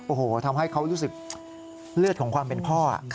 โอ้โหทำให้เขารู้สึกเลือดของความเป็นพ่อ